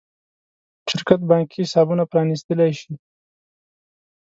شرکت بانکي حسابونه پرانېستلی شي.